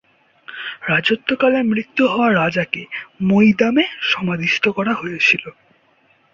রাজত্বকালে মৃত্যু হওয়া রাজাকে মৈদাম-এ সমাধিস্থ করা হয়েছিল।